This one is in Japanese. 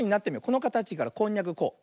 このかたちからこんにゃくこう。